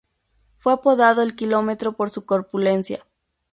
Fue apodado "El Kilómetro" por su corpulencia.